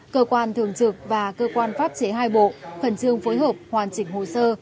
cơ quan thường trực và cơ quan pháp chế hai bộ khẩn trương phối hợp hoàn chỉnh hồ sơ